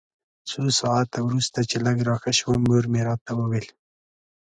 څو ساعته وروسته چې لږ راښه شوم مور مې راته وویل.